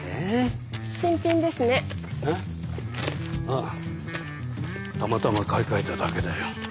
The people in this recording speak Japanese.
あたまたま買い替えただけだよ。